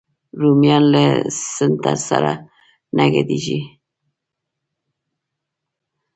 رومیان له سنتر سره نه ګډېږي